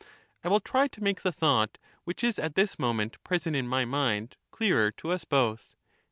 I will try to make the thought, which is at this moment present in my mind, clearer to us both.